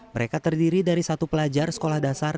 mereka terdiri dari satu pelajar sekolah dasar